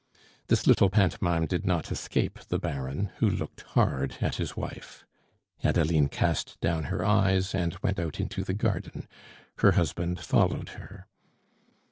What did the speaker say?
This little pantomime did not escape the Baron, who looked hard at his wife. Adeline cast down her eyes and went out into the garden; her husband followed her.